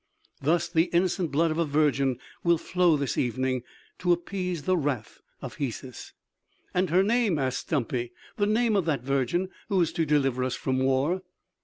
Thus the innocent blood of a virgin will flow this evening to appease the wrath of Hesus." "And her name?" asked Stumpy, "the name of that virgin who is to deliver us from war!"